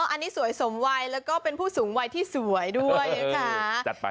อันนี้สวยสมวัยแล้วก็เป็นผู้สูงวัยที่สวยด้วยนะคะ